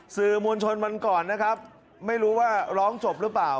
สื่อมวลชนวันก่อนนะครับไม่รู้ว่าร้องจบหรือเปล่า